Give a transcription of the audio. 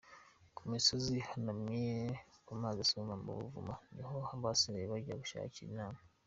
Mu misozi ihanamye, mu mazi asuma, mu buvumo niho basigaye bajya gushakira Imana.